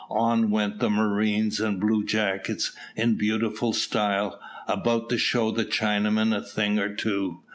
On went the marines and bluejackets in beautiful style, about to show the Chinamen a thing or two.